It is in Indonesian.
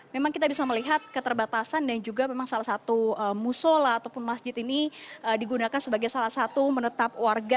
memang kita bisa melihat keterbatasan dan juga memang salah satu musola ataupun masjid ini digunakan sebagai salah satu menetap warga